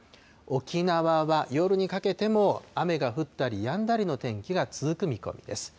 沖縄は夜にかけても雨が降ったりやんだりの天気が続く見込みです。